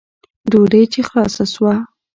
ډوډۍ چې خلاصه سوه.